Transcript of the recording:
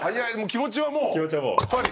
気持ちはもうパリ！？